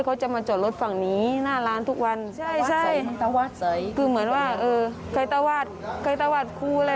เขาจะมาจอดรถฝั่งนี้หน้าร้านทุกวันใช่คือเหมือนว่าไข่ตะวาดไข่ตะวาดครูอะไร